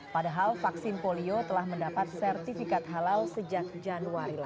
padahal vaksin polio telah mendapat sertifikat halal sejak januari lalu